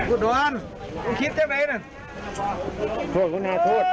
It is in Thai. อุดรรณ